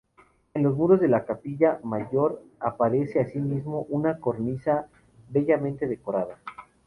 En los muros de la capilla mayor aparece, asimismo, una cornisa, bellamente decorada.